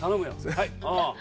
はい。